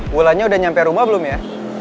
bulannya udah nyampe rumah belum ya